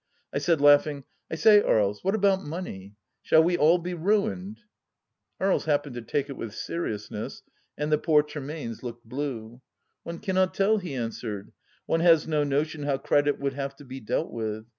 I said, laughing :" I say, Aries, what about money ? Shall we all be ruined ?" Aries happened to take it with seriousness, and the poor Tremaines looked blue. " One cannot tell," he answered. " One has no notion how credit would have to be dealt with.